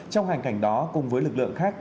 trong hành cảnh đó cùng với lực lượng khác